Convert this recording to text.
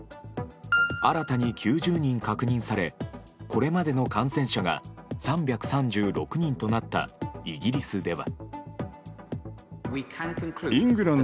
新たに９０人確認されこれまでの感染者が３３６人となったイギリスでは。